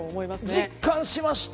実感しました。